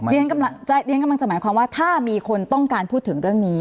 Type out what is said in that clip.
เรียนกำลังจะหมายความว่าถ้ามีคนต้องการพูดถึงเรื่องนี้